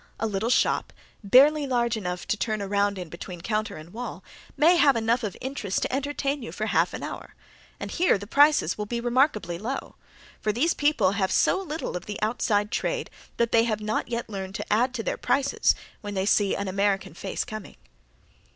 A little shop, barely large enough to turn around in between counter and wall, may have enough of interest to entertain you for half an hour, and here the prices will be remarkably low, for these people have so little of the outside trade that they have not learned to add to their prices when they see an American face coming.